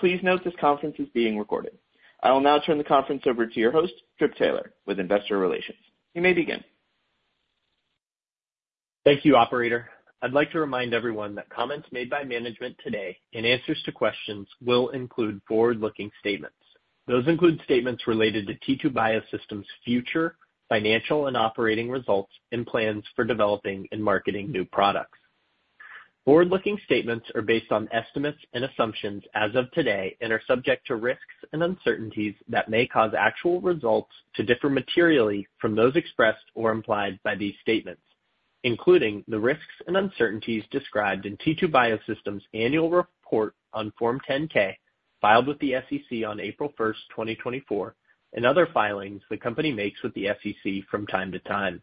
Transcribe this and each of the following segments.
Please note this conference is being recorded. I will now turn the conference over to your host, Trip Taylor, with Investor Relations. You may begin. Thank you, Operator. I'd like to remind everyone that comments made by management today and answers to questions will include forward-looking statements. Those include statements related to T2 Biosystems' future financial and operating results and plans for developing and marketing new products. Forward-looking statements are based on estimates and assumptions as of today and are subject to risks and uncertainties that may cause actual results to differ materially from those expressed or implied by these statements, including the risks and uncertainties described in T2 Biosystems' annual report on Form 10-K filed with the SEC on April 1, 2024, and other filings the company makes with the SEC from time to time.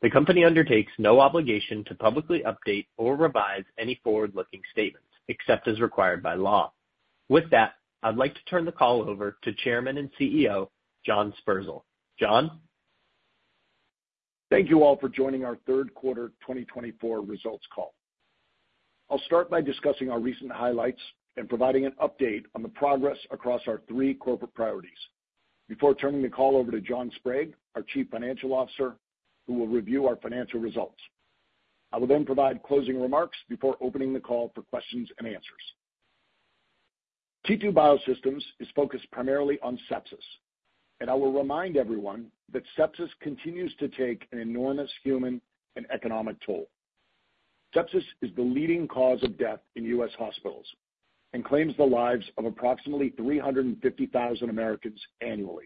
The company undertakes no obligation to publicly update or revise any forward-looking statements except as required by law. With that, I'd like to turn the call over to Chairman and CEO John Sperzel. John? Thank you all for joining our third quarter 2024 results call. I'll start by discussing our recent highlights and providing an update on the progress across our three corporate priorities before turning the call over to John Sprague, our Chief Financial Officer, who will review our financial results. I will then provide closing remarks before opening the call for questions and answers. T2 Biosystems is focused primarily on sepsis, and I will remind everyone that sepsis continues to take an enormous human and economic toll. Sepsis is the leading cause of death in U.S. hospitals and claims the lives of approximately 350,000 Americans annually.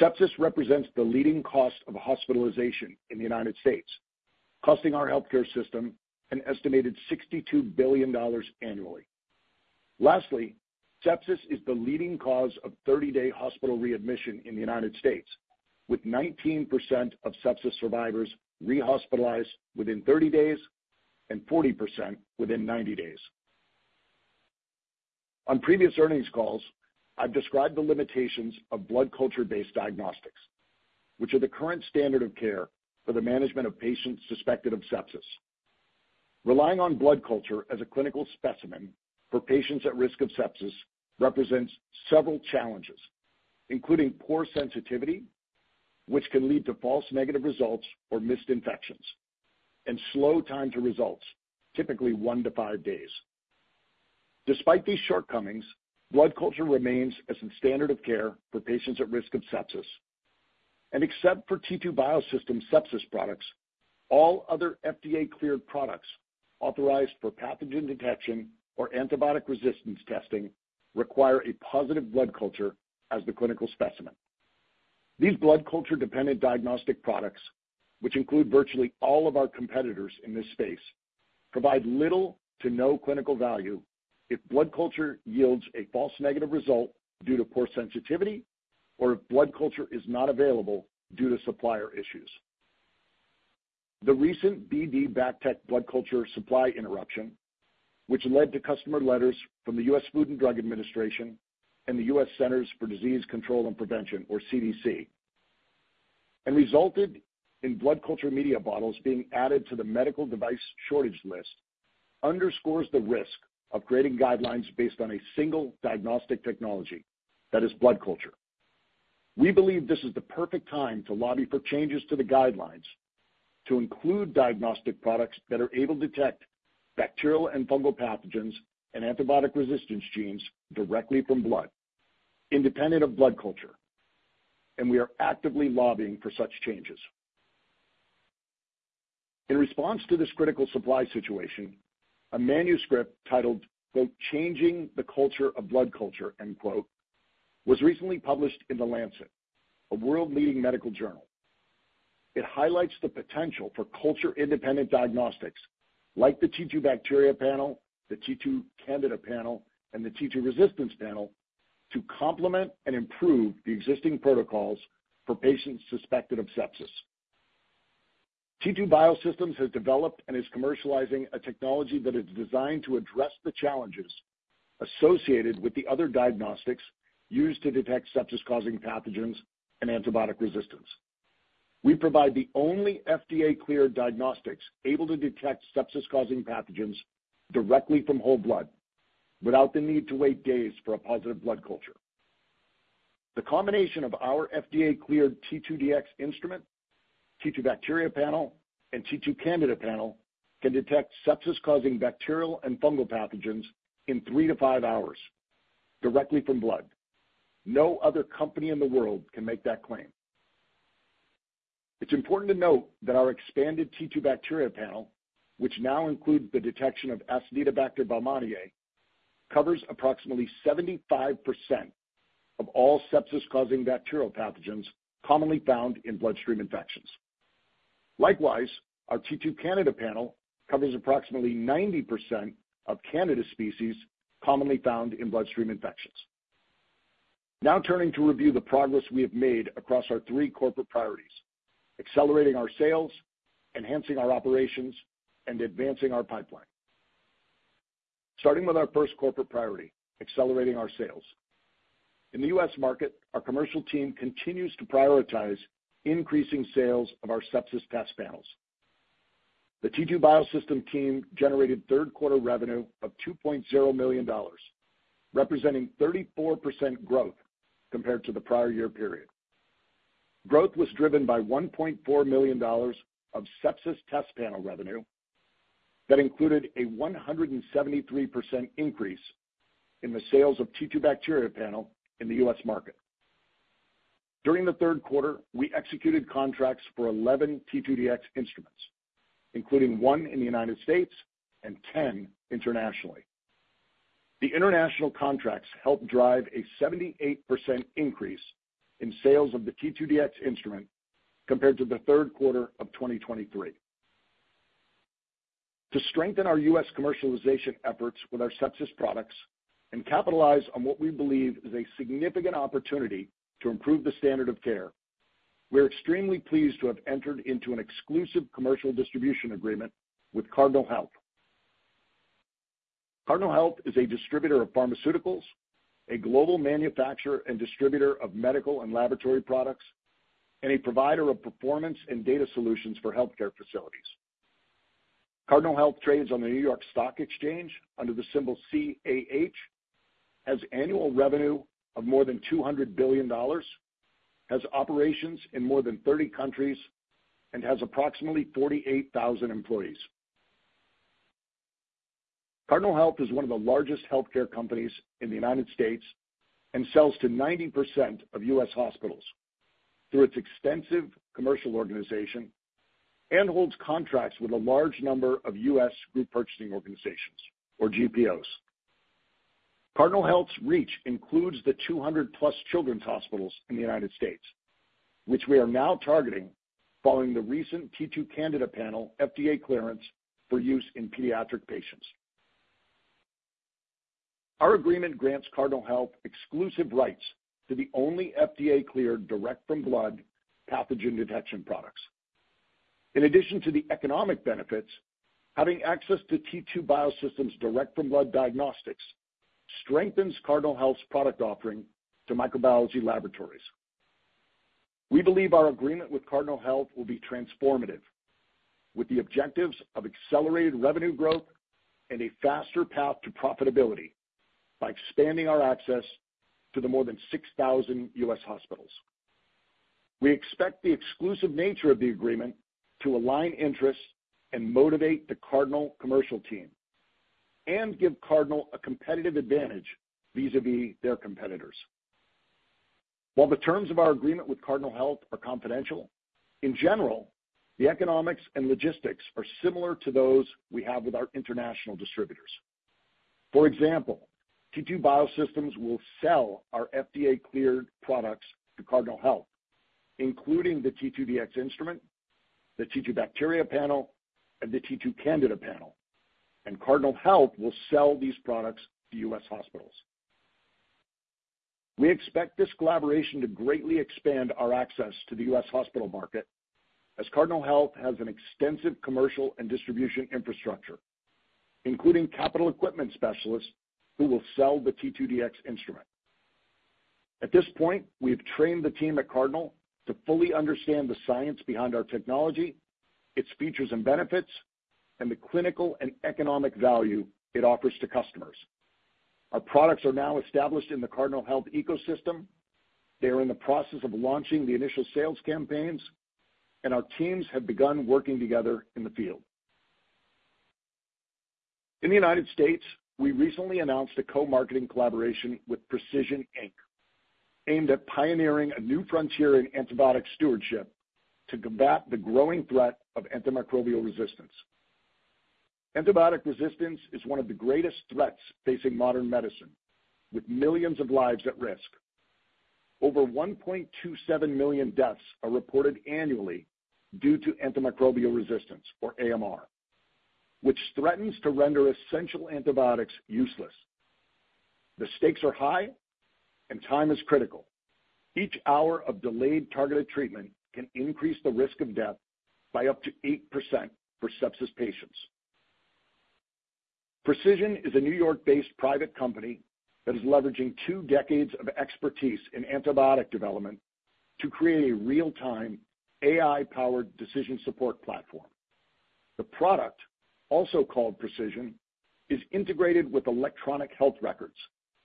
Sepsis represents the leading cost of hospitalization in the United States, costing our healthcare system an estimated $62 billion annually. Lastly, sepsis is the leading cause of 30-day hospital readmission in the United States, with 19% of sepsis survivors rehospitalized within 30 days and 40% within 90 days. On previous earnings calls, I've described the limitations of blood culture-based diagnostics, which are the current standard of care for the management of patients suspected of sepsis. Relying on blood culture as a clinical specimen for patients at risk of sepsis represents several challenges, including poor sensitivity, which can lead to false negative results or missed infections, and slow time to results, typically one to five days. Despite these shortcomings, blood culture remains as the standard of care for patients at risk of sepsis. Except for T2 Biosystems' sepsis products, all other FDA-cleared products authorized for pathogen detection or antibiotic resistance testing require a positive blood culture as the clinical specimen. These blood culture-dependent diagnostic products, which include virtually all of our competitors in this space, provide little to no clinical value if blood culture yields a false negative result due to poor sensitivity or if blood culture is not available due to supplier issues. The recent BD BACTEC blood culture supply interruption, which led to customer letters from the U.S. Food and Drug Administration and the U.S. Centers for Disease Control and Prevention, or CDC, and resulted in blood culture media bottles being added to the medical device shortage list, underscores the risk of creating guidelines based on a single diagnostic technology that is blood culture. We believe this is the perfect time to lobby for changes to the guidelines to include diagnostic products that are able to detect bacterial and fungal pathogens and antibiotic resistance genes directly from blood, independent of blood culture, and we are actively lobbying for such changes. In response to this critical supply situation, a manuscript titled, "Changing the Culture of Blood Culture," was recently published in The Lancet, a world-leading medical journal. It highlights the potential for culture-independent diagnostics like the T2 Bacteria Panel, the T2 Candida Panel, and the T2 Resistance Panel to complement and improve the existing protocols for patients suspected of sepsis. T2 Biosystems has developed and is commercializing a technology that is designed to address the challenges associated with the other diagnostics used to detect sepsis-causing pathogens and antibiotic resistance. We provide the only FDA-cleared diagnostics able to detect sepsis-causing pathogens directly from whole blood without the need to wait days for a positive blood culture. The combination of our FDA-cleared T2Dx instrument, T2 Bacteria Panel, and T2 Candida Panel can detect sepsis-causing bacterial and fungal pathogens in three to five hours directly from blood. No other company in the world can make that claim. It's important to note that our expanded T2 Bacteria Panel, which now includes the detection of Acinetobacter baumannii, covers approximately 75% of all sepsis-causing bacterial pathogens commonly found in bloodstream infections. Likewise, our T2 Candida Panel covers approximately 90% of Candida species commonly found in bloodstream infections. Now turning to review the progress we have made across our three corporate priorities: accelerating our sales, enhancing our operations, and advancing our pipeline. Starting with our first corporate priority, accelerating our sales. In the U.S. market, our commercial team continues to prioritize increasing sales of our sepsis test panels. The T2 Biosystems team generated third-quarter revenue of $2.0 million, representing 34% growth compared to the prior year period. Growth was driven by $1.4 million of sepsis test panel revenue that included a 173% increase in the sales of T2 Bacteria Panel in the U.S. market. During the third quarter, we executed contracts for 11 T2Dx instruments, including one in the United States and 10 internationally. The international contracts helped drive a 78% increase in sales of the T2Dx instrument compared to the third quarter of 2023. To strengthen our U.S. commercialization efforts with our sepsis products and capitalize on what we believe is a significant opportunity to improve the standard of care, we are extremely pleased to have entered into an exclusive commercial distribution agreement with Cardinal Health. Cardinal Health is a distributor of pharmaceuticals, a global manufacturer and distributor of medical and laboratory products, and a provider of performance and data solutions for healthcare facilities. Cardinal Health trades on the New York Stock Exchange under the symbol CAH, has annual revenue of more than $200 billion, has operations in more than 30 countries, and has approximately 48,000 employees. Cardinal Health is one of the largest healthcare companies in the United States and sells to 90% of U.S. hospitals through its extensive commercial organization and holds contracts with a large number of U.S. group purchasing organizations, or GPOs. Cardinal Health's reach includes the 200-plus children's hospitals in the United States, which we are now targeting following the recent T2 Candida Panel FDA clearance for use in pediatric patients. Our agreement grants Cardinal Health exclusive rights to the only FDA-cleared direct-from-blood pathogen detection products. In addition to the economic benefits, having access to T2 Biosystems' direct-from-blood diagnostics strengthens Cardinal Health's product offering to microbiology laboratories. We believe our agreement with Cardinal Health will be transformative, with the objectives of accelerated revenue growth and a faster path to profitability by expanding our access to the more than 6,000 U.S. hospitals. We expect the exclusive nature of the agreement to align interests and motivate the Cardinal commercial team and give Cardinal a competitive advantage vis-à-vis their competitors. While the terms of our agreement with Cardinal Health are confidential, in general, the economics and logistics are similar to those we have with our international distributors. For example, T2 Biosystems will sell our FDA-cleared products to Cardinal Health, including the T2Dx Instrument, the T2 Bacteria Panel, and the T2 Candida Panel, and Cardinal Health will sell these products to U.S. hospitals. We expect this collaboration to greatly expand our access to the U.S. hospital market as Cardinal Health has an extensive commercial and distribution infrastructure, including capital equipment specialists who will sell the T2Dx instrument. At this point, we have trained the team at Cardinal to fully understand the science behind our technology, its features and benefits, and the clinical and economic value it offers to customers. Our products are now established in the Cardinal Health ecosystem. They are in the process of launching the initial sales campaigns, and our teams have begun working together in the field. In the United States, we recently announced a co-marketing collaboration with Precision Inc., aimed at pioneering a new frontier in antibiotic stewardship to combat the growing threat of antimicrobial resistance. Antibiotic resistance is one of the greatest threats facing modern medicine, with millions of lives at risk. Over 1.27 million deaths are reported annually due to antimicrobial resistance, or AMR, which threatens to render essential antibiotics useless. The stakes are high, and time is critical. Each hour of delayed targeted treatment can increase the risk of death by up to 8% for sepsis patients. Precision is a New York-based private company that is leveraging two decades of expertise in antibiotic development to create a real-time AI-powered decision support platform. The product, also called Precision, is integrated with electronic health records,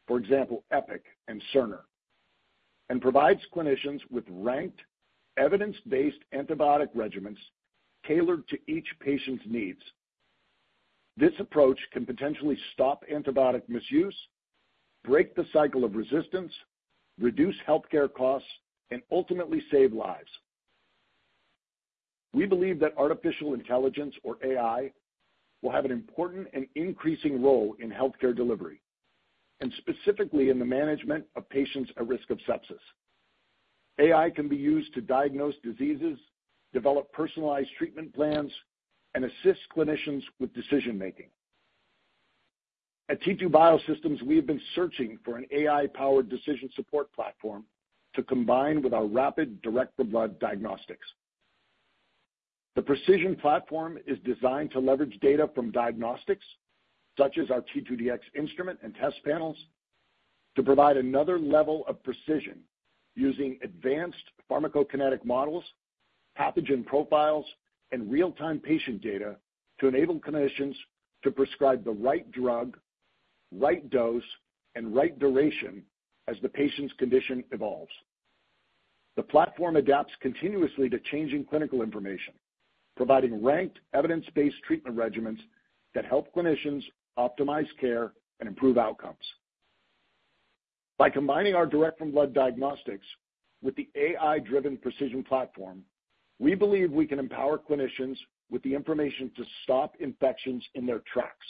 for example, Epic and Cerner, and provides clinicians with ranked, evidence-based antibiotic regimens tailored to each patient's needs. This approach can potentially stop antibiotic misuse, break the cycle of resistance, reduce healthcare costs, and ultimately save lives. We believe that artificial intelligence, or AI, will have an important and increasing role in healthcare delivery, and specifically in the management of patients at risk of sepsis. AI can be used to diagnose diseases, develop personalized treatment plans, and assist clinicians with decision-making. At T2 Biosystems, we have been searching for an AI-powered decision support platform to combine with our rapid direct-from-blood diagnostics. The Precision platform is designed to leverage data from diagnostics, such as our T2Dx instrument and test panels, to provide another level of precision using advanced pharmacokinetic models, pathogen profiles, and real-time patient data to enable clinicians to prescribe the right drug, right dose, and right duration as the patient's condition evolves. The platform adapts continuously to changing clinical information, providing ranked, evidence-based treatment regimens that help clinicians optimize care and improve outcomes. By combining our direct-from-blood diagnostics with the AI-driven Precision platform, we believe we can empower clinicians with the information to stop infections in their tracks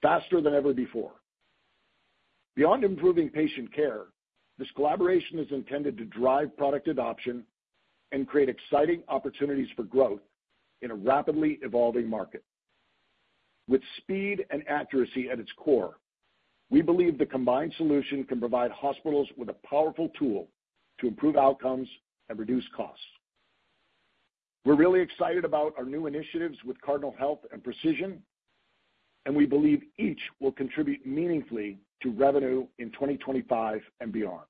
faster than ever before. Beyond improving patient care, this collaboration is intended to drive product adoption and create exciting opportunities for growth in a rapidly evolving market. With speed and accuracy at its core, we believe the combined solution can provide hospitals with a powerful tool to improve outcomes and reduce costs. We're really excited about our new initiatives with Cardinal Health and Precision, and we believe each will contribute meaningfully to revenue in 2025 and beyond.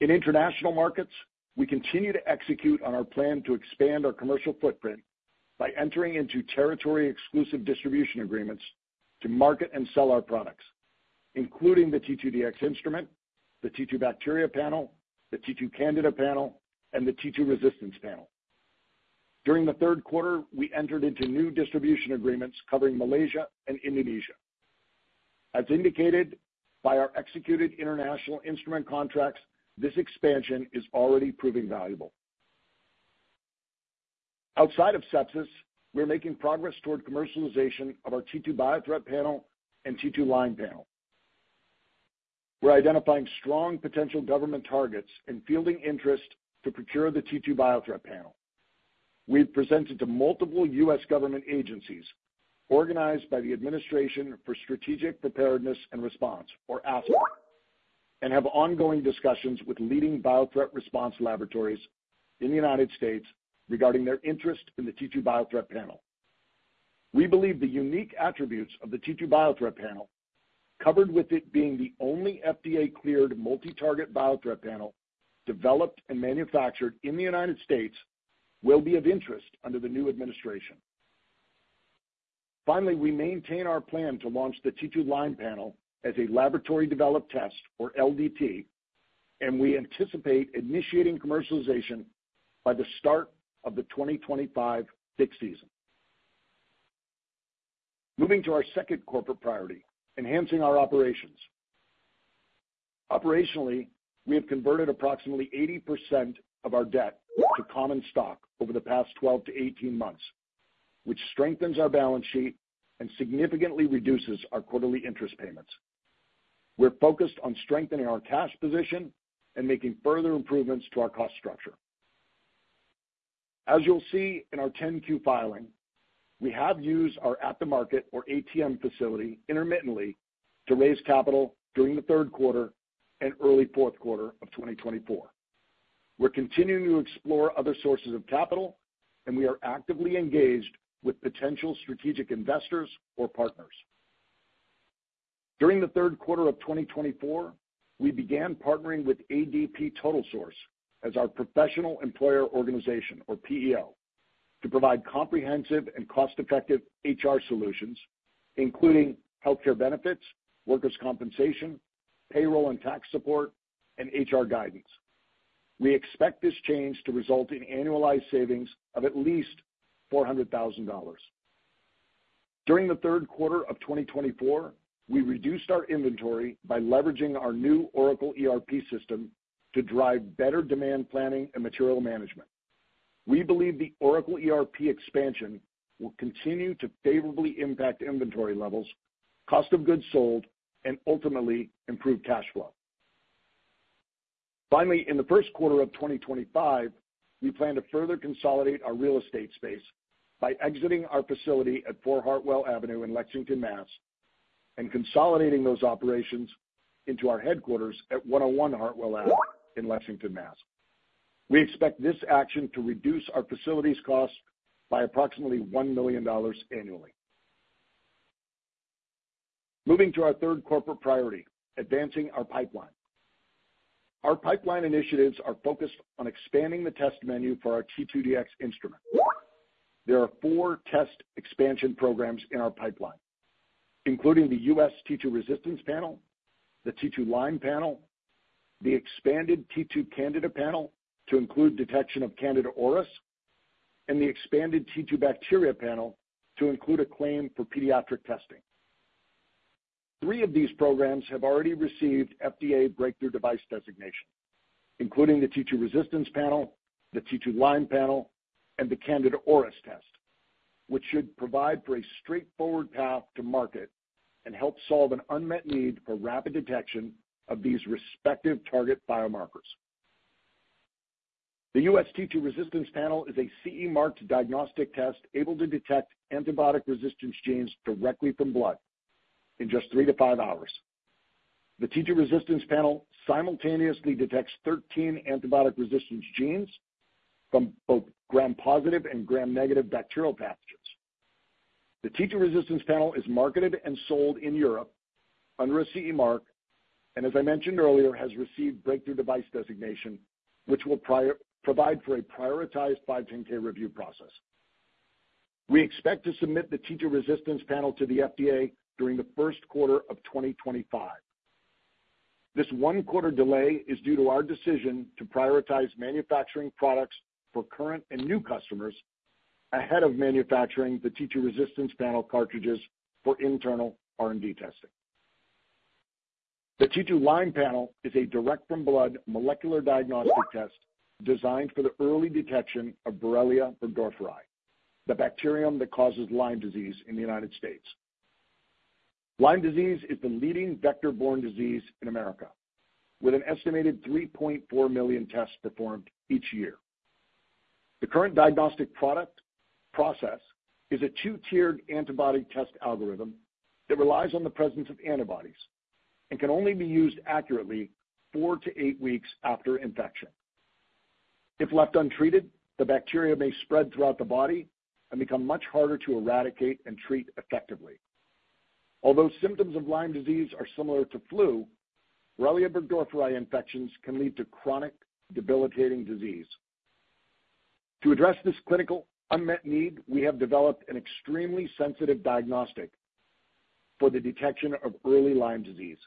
In international markets, we continue to execute on our plan to expand our commercial footprint by entering into territory-exclusive distribution agreements to market and sell our products, including the T2Dx Instrument, the T2 Bacteria Panel, the T2 Candida Panel, and the T2 Resistance Panel. During the third quarter, we entered into new distribution agreements covering Malaysia and Indonesia. As indicated by our executed international instrument contracts, this expansion is already proving valuable. Outside of sepsis, we're making progress toward commercialization of our T2 Biothreat Panel and T2 Lyme Panel. We're identifying strong potential government targets and fielding interest to procure the T2 Biothreat Panel. We've presented to multiple U.S. government agencies organized by the Administration for Strategic Preparedness and Response, or ASPR, and have ongoing discussions with leading biothreat response laboratories in the United States regarding their interest in the T2 Biothreat Panel. We believe the unique attributes of the T2 Biothreat Panel, covered with it being the only FDA-cleared multi-target biothreat panel developed and manufactured in the United States, will be of interest under the new administration. Finally, we maintain our plan to launch the T2 Lyme Panel as a laboratory-developed test, or LDT, and we anticipate initiating commercialization by the start of the 2025 fiscal year. Moving to our second corporate priority: enhancing our operations. Operationally, we have converted approximately 80% of our debt to common stock over the past 12 to 18 months, which strengthens our balance sheet and significantly reduces our quarterly interest payments. We're focused on strengthening our cash position and making further improvements to our cost structure. As you'll see in our 10-Q filing, we have used our at-the-market, or ATM, facility intermittently to raise capital during the third quarter and early fourth quarter of 2024. We're continuing to explore other sources of capital, and we are actively engaged with potential strategic investors or partners. During the third quarter of 2024, we began partnering with ADP TotalSource as our Professional Employer Organization, or PEO, to provide comprehensive and cost-effective HR solutions, including healthcare benefits, workers' compensation, payroll and tax support, and HR guidance. We expect this change to result in annualized savings of at least $400,000. During the third quarter of 2024, we reduced our inventory by leveraging our new Oracle ERP system to drive better demand planning and material management. We believe the Oracle ERP expansion will continue to favorably impact inventory levels, cost of goods sold, and ultimately improve cash flow. Finally, in the first quarter of 2025, we plan to further consolidate our real estate space by exiting our facility at 4 Hartwell Avenue in Lexington, Massachusetts, and consolidating those operations into our headquarters at 101 Hartwell Ave in Lexington, Massachusetts. We expect this action to reduce our facility's cost by approximately $1 million annually. Moving to our third corporate priority: advancing our pipeline. Our pipeline initiatives are focused on expanding the test menu for our T2Dx Instrument. There are four test expansion programs in our pipeline, including the U.S. T2 Resistance Panel, the T2 Lyme Panel, the expanded T2 Candida Panel to include detection of Candida auris, and the expanded T2 Bacteria Panel to include a claim for pediatric testing. Three of these programs have already received FDA Breakthrough Device Designation, including the T2 Resistance Panel, the T2 Lyme Panel, and the Candida auris test, which should provide for a straightforward path to market and help solve an unmet need for rapid detection of these respective target biomarkers. The U.S. T2 Resistance Panel is a CE-marked diagnostic test able to detect antibiotic resistance genes directly from blood in just three to five hours. The T2 Resistance Panel simultaneously detects 13 antibiotic resistance genes from both Gram-positive and Gram-negative bacterial pathogens. The T2 Resistance Panel is marketed and sold in Europe under a CE mark, and as I mentioned earlier, has received breakthrough device designation, which will provide for a prioritized 510(k) review process. We expect to submit the T2 Resistance Panel to the FDA during the first quarter of 2025. This one-quarter delay is due to our decision to prioritize manufacturing products for current and new customers ahead of manufacturing the T2 Resistance Panel cartridges for internal R&D testing. The T2 Lyme Panel is a direct-from-blood molecular diagnostic test designed for the early detection of Borrelia burgdorferi, the bacterium that causes Lyme disease in the United States. Lyme disease is the leading vector-borne disease in America, with an estimated 3.4 million tests performed each year. The current diagnostic product process is a two-tiered antibody test algorithm that relies on the presence of antibodies and can only be used accurately four to eight weeks after infection. If left untreated, the bacteria may spread throughout the body and become much harder to eradicate and treat effectively. Although symptoms of Lyme disease are similar to flu, Borrelia burgdorferi infections can lead to chronic, debilitating disease. To address this clinical unmet need, we have developed an extremely sensitive diagnostic for the detection of early Lyme disease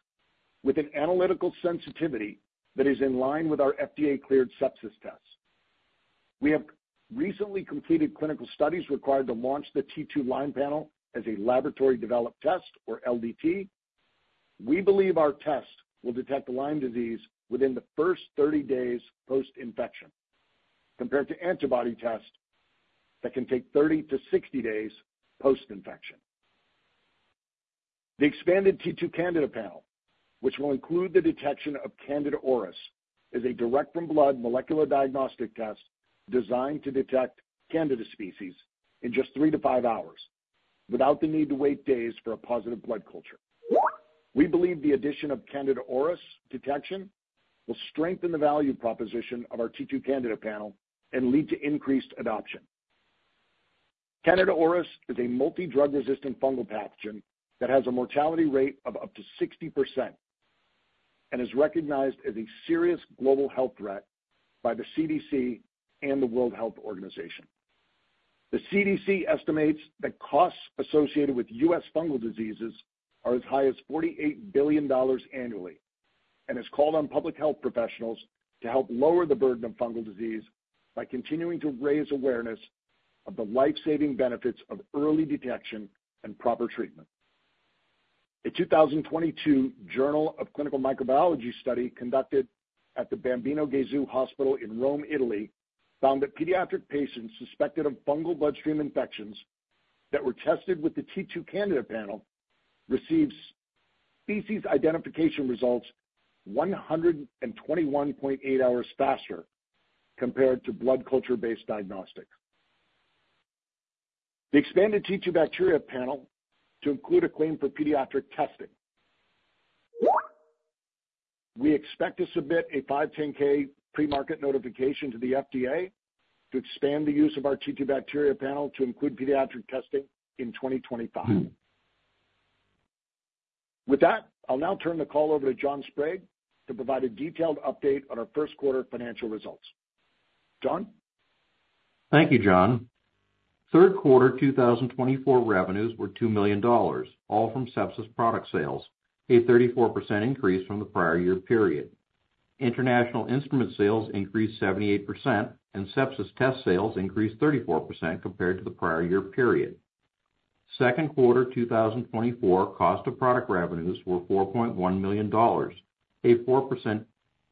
with an analytical sensitivity that is in line with our FDA-cleared sepsis tests. We have recently completed clinical studies required to launch the T2 Lyme Panel as a laboratory-developed test, or LDT. We believe our test will detect Lyme disease within the first 30 days post-infection compared to antibody tests that can take 30 to 60 days post-infection. The expanded T2 Candida Panel, which will include the detection of Candida auris, is a direct-from-blood molecular diagnostic test designed to detect Candida species in just three to five hours without the need to wait days for a positive blood culture. We believe the addition of Candida auris detection will strengthen the value proposition of our T2 Candida Panel and lead to increased adoption. Candida auris is a multi-drug-resistant fungal pathogen that has a mortality rate of up to 60% and is recognized as a serious global health threat by the CDC and the World Health Organization. The CDC estimates that costs associated with U.S. fungal diseases are as high as $48 billion annually and has called on public health professionals to help lower the burden of fungal disease by continuing to raise awareness of the lifesaving benefits of early detection and proper treatment. A 2022 Journal of Clinical Microbiology study conducted at the Bambino Gesù Hospital in Rome, Italy, found that pediatric patients suspected of fungal bloodstream infections that were tested with the T2 Candida Panel receive species identification results 121.8 hours faster compared to blood culture-based diagnostics. The expanded T2 Bacteria Panel to include a claim for pediatric testing. We expect to submit a 510(k) pre-market notification to the FDA to expand the use of our T2 Bacteria Panel to include pediatric testing in 2025. With that, I'll now turn the call over to John Sprague to provide a detailed update on our first quarter financial results. John? Thank you, John. Third quarter 2024 revenues were $2 million, all from sepsis product sales, a 34% increase from the prior year period. International instrument sales increased 78%, and sepsis test sales increased 34% compared to the prior year period. Second quarter 2024 cost of product revenues were $4.1 million, a 4%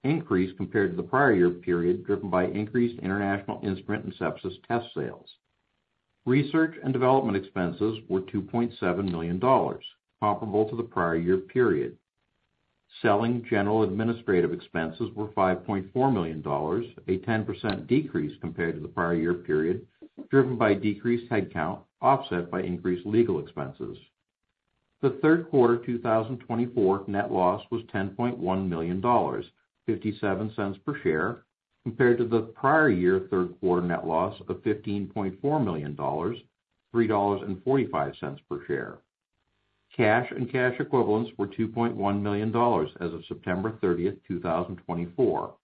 increase compared to the prior year period driven by increased international instrument and sepsis test sales. Research and development expenses were $2.7 million, comparable to the prior year period. Selling general administrative expenses were $5.4 million, a 10% decrease compared to the prior year period driven by decreased headcount offset by increased legal expenses. The third quarter 2024 net loss was $10.1 million, $0.57 per share compared to the prior year third quarter net loss of $15.4 million, $3.45 per share. Cash and cash equivalents were $2.1 million as of September 30, 2024.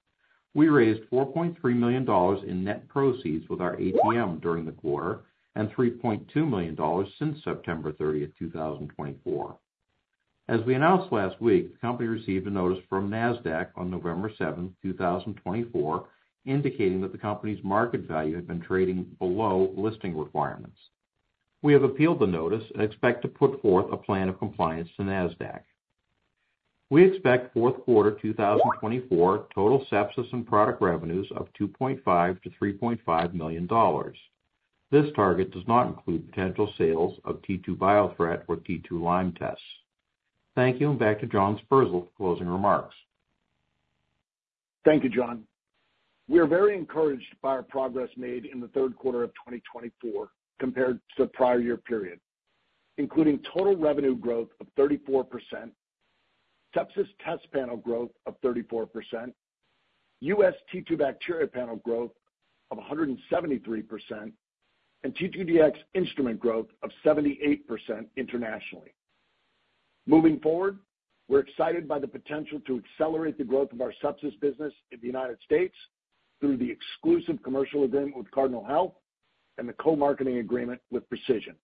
We raised $4.3 million in net proceeds with our ATM during the quarter and $3.2 million since September 30, 2024. As we announced last week, the company received a notice from NASDAQ on November 7, 2024, indicating that the company's market value had been trading below listing requirements. We have appealed the notice and expect to put forth a plan of compliance to NASDAQ. We expect fourth quarter 2024 total sepsis and product revenues of $2.5 million-$3.5 million. This target does not include potential sales of T2 Biothreat or T2 Lyme tests. Thank you, and back to John Sperzel for closing remarks. Thank you, John. We are very encouraged by our progress made in the third quarter of 2024 compared to the prior year period, including total revenue growth of 34%, sepsis test panel growth of 34%, U.S. T2 Bacteria Panel growth of 173%, and T2Dx instrument growth of 78% internationally. Moving forward, we're excited by the potential to accelerate the growth of our sepsis business in the United States through the exclusive commercial agreement with Cardinal Health and the co-marketing agreement with Precision.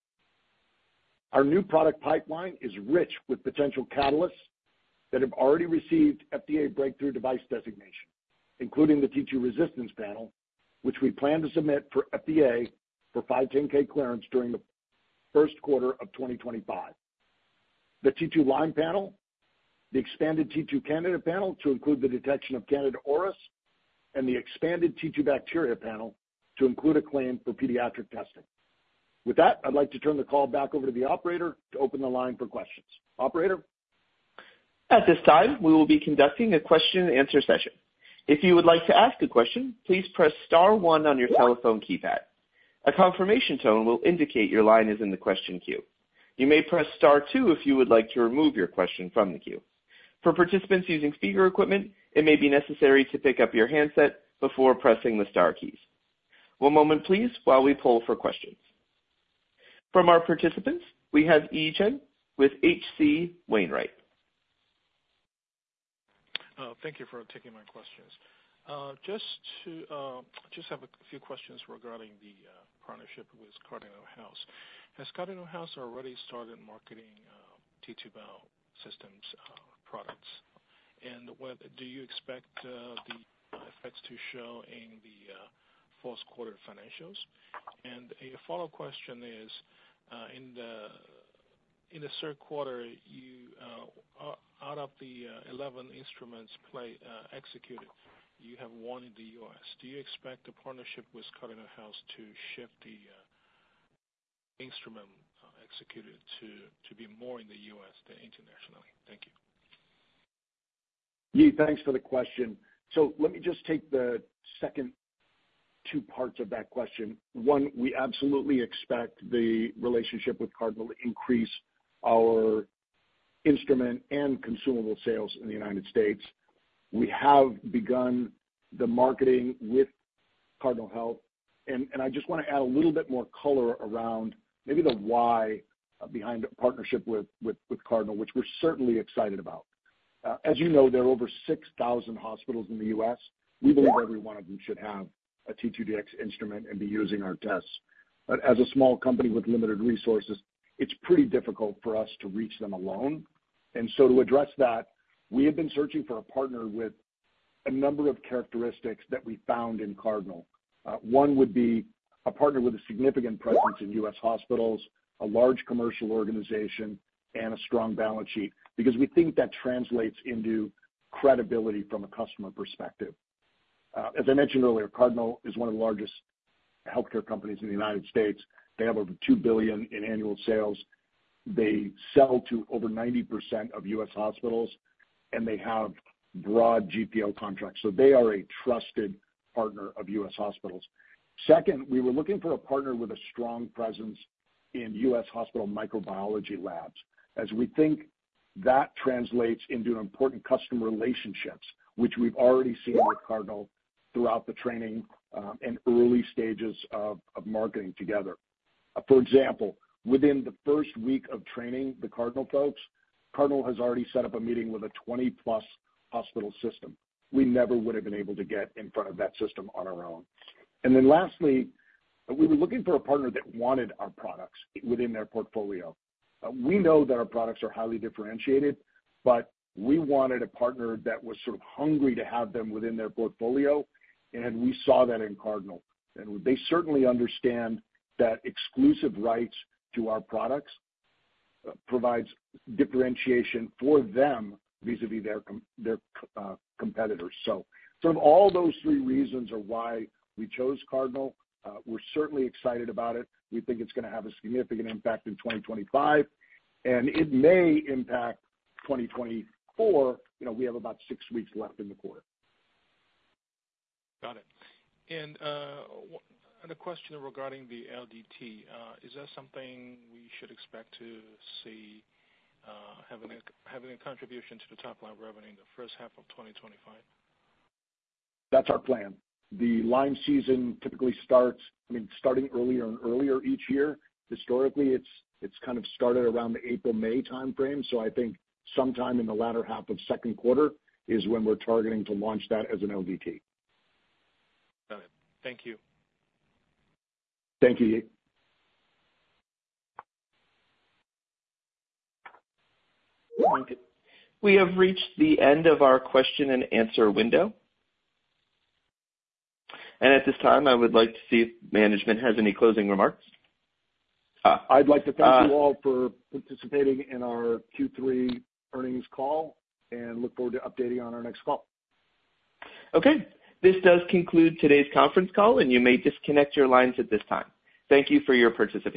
Our new product pipeline is rich with potential catalysts that have already received FDA breakthrough device designation, including the T2 Resistance Panel, which we plan to submit to the FDA for 510(k) clearance during the first quarter of 2025, the T2 Lyme Panel, the expanded T2 Candida Panel to include the detection of Candida auris, and the expanded T2 Bacteria Panel to include a claim for pediatric testing. With that, I'd like to turn the call back over to the operator to open the line for questions. Operator? At this time, we will be conducting a question-and-answer session. If you would like to ask a question, please press Star 1 on your telephone keypad. A confirmation tone will indicate your line is in the question queue. You may press Star 2 if you would like to remove your question from the queue. For participants using speaker equipment, it may be necessary to pick up your handset before pressing the Star keys. One moment, please, while we poll for questions. From our participants, we have Yi Chen with H.C. Wainwright. Thank you for taking my questions. Just have a few questions regarding the partnership with Cardinal Health. Has Cardinal Health already started marketing T2 Biosystems products? And do you expect the effects to show in the fourth quarter financials? And a follow-up question is, in the third quarter, out of the 11 instruments executed, you have one in the U.S. Do you expect the partnership with Cardinal Health to shift the instrument executed to be more in the U.S. than internationally? Thank you. Yeah, thanks for the question. So let me just take the second two parts of that question. One, we absolutely expect the relationship with Cardinal to increase our instrument and consumable sales in the United States. We have begun the marketing with Cardinal Health. And I just want to add a little bit more color around maybe the why behind a partnership with Cardinal, which we're certainly excited about. As you know, there are over 6,000 hospitals in the U.S. We believe every one of them should have a T2Dx Instrument and be using our tests. But as a small company with limited resources, it's pretty difficult for us to reach them alone. And so to address that, we have been searching for a partner with a number of characteristics that we found in Cardinal. One would be a partner with a significant presence in U.S. hospitals, a large commercial organization, and a strong balance sheet because we think that translates into credibility from a customer perspective. As I mentioned earlier, Cardinal is one of the largest healthcare companies in the United States. They have over $2 billion in annual sales. They sell to over 90% of U.S. hospitals, and they have broad GPO contracts. So they are a trusted partner of U.S. hospitals. Second, we were looking for a partner with a strong presence in U.S. hospital microbiology labs, as we think that translates into important customer relationships, which we've already seen with Cardinal throughout the training and early stages of marketing together. For example, within the first week of training the Cardinal folks, Cardinal has already set up a meeting with a 20-plus hospital system. We never would have been able to get in front of that system on our own. And then lastly, we were looking for a partner that wanted our products within their portfolio. We know that our products are highly differentiated, but we wanted a partner that was sort of hungry to have them within their portfolio. And we saw that in Cardinal. And they certainly understand that exclusive rights to our products provide differentiation for them vis-à-vis their competitors. So sort of all those three reasons are why we chose Cardinal. We're certainly excited about it. We think it's going to have a significant impact in 2025, and it may impact 2024. We have about six weeks left in the quarter. Got it, and a question regarding the LDT. Is that something we should expect to see have a contribution to the top line revenue in the first half of 2025? That's our plan. The Lyme season typically starts, I mean, starting earlier and earlier each year. Historically, it's kind of started around the April, May timeframe. So I think sometime in the latter half of second quarter is when we're targeting to launch that as an LDT. Got it. Thank you. Thank you, Yi. We have reached the end of our question-and-answer window, and at this time, I would like to see if management has any closing remarks. I'd like to thank you all for participating in our Q3 earnings call and look forward to updating on our next call. Okay. This does conclude today's conference call, and you may disconnect your lines at this time. Thank you for your participation.